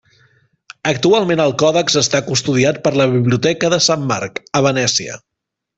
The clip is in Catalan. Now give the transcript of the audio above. Actualment el còdex està custodiat per la Biblioteca de Sant Marc, a Venècia.